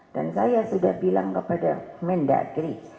saya sudah bilang kepada mendagri